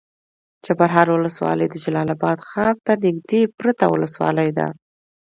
چپرهار ولسوالي د جلال اباد ښار ته نږدې پرته ولسوالي ده.